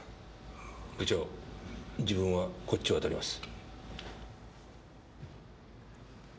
部長自分はこっちを当たります。